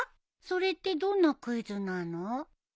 それってどんなクイズなの？